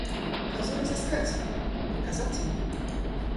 – Козу разыскать! – приказал Тимур.